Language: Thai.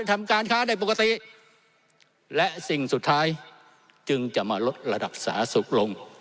ทำการค้าได้ปกติและสิ่งสุดท้ายจึงจะมาลดระดับสาธารณสุขลง